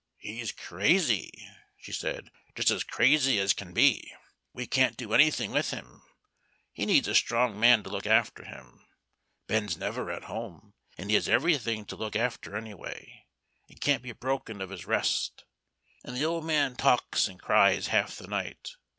"He's crazy," she said, "just as crazy as can be. We can't do anything with him. He needs a strong man to look after him. Ben's never at home, and he has everything to look after any way, and can't be broken of his rest, and the old man talks and cries half the night.